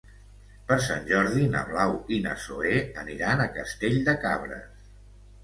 Per Sant Jordi na Blau i na Zoè aniran a Castell de Cabres.